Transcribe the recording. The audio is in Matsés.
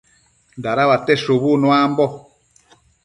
Dadauate shubu nuambo